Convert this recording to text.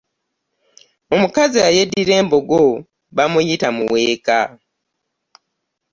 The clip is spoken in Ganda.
Omukazi eyeddira embogo bamuyita muweeka.